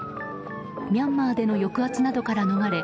ミャンマーでの抑圧などから逃れ